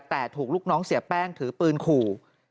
แต่ถูกลูกน้องเสียแป้งถือปืนขู่